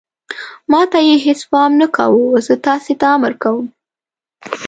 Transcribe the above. ما ته یې هېڅ پام نه کاوه، زه تاسې ته امر کوم.